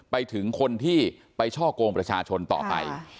ไปถึงคนที่ไปช่อกงประชาชนต่อไป